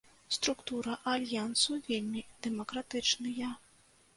Структура альянсу вельмі дэмакратычныя.